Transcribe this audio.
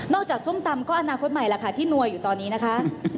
นอกจากส้มตำก็อนาคตใหม่แล้วค่ะที่นวยอยู่ตอนนี้นะคะ